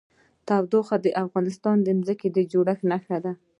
تودوخه د افغانستان د ځمکې د جوړښت نښه ده.